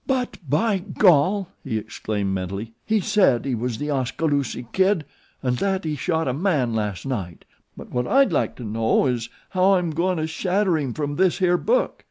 "But, by gol!" he exclaimed mentally, "he said he was The Oskaloosie Kid, 'n' that he shot a man last night; but what I'd like to know is how I'm goin' to shadder him from this here book.